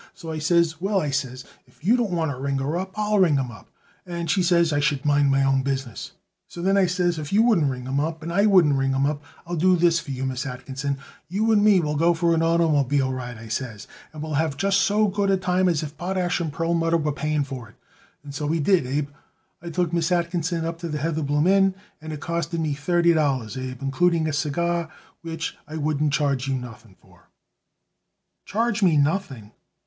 So I says, well, I says, if you don't want to ring 'em up I'll ring 'em up; and she says I should mind my own business. So then I says, if you wouldn't ring 'em up and I wouldn't ring 'em up I'll do this for you, Miss Atkinson: You and me will go for an oitermobile ride, I says, and we'll have just so good a time as if Potash & Perlmutter was paying for it. And so we did, Abe. I took Miss Atkinson up to the Heatherbloom Inn, and it costed me thirty dollars, Abe, including a cigar, which I wouldn't charge you nothing for." "Charge me nothing!"